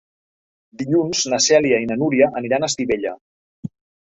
Dilluns na Cèlia i na Núria aniran a Estivella.